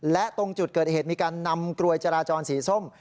และตรงจุดเกิดเหตุมีการนำกลวยจราจรสีส้ม